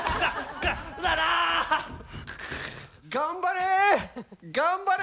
頑張れ！